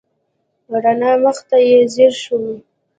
راڼه مخ ته یې ځېر شوم.